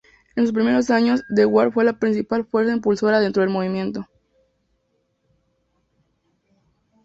En sus primeros años, Dewar fue la principal fuerza impulsora dentro del movimiento.